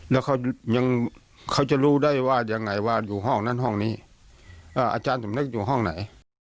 แล้วเขายังเขาจะรู้ได้ว่ายังไงว่าอยู่ห้องนั้นห้องนี้อาจารย์สมนึกอยู่ห้องไหน